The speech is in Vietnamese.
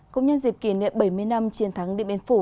cũng nhân dịp kỷ niệm bảy mươi năm chiến thắng điện biên phủ